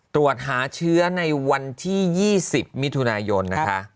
ตรวจหาเชื้อในวันที่๒๐มิถุนายนนะคะ